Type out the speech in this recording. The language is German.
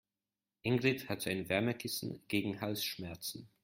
Ingrid hat so ein Wärmekissen gegen Halsschmerzen.